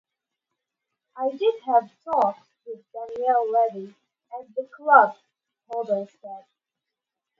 "I did have talks with Daniel Levy and the club," Hoddle said.